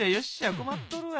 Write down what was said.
困っとるわ。